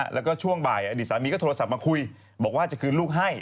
แล้วก็ช่วงบ่ายอดีตสามีก็โทรศัพท์มาคุยบอกว่าจะคืนลูกให้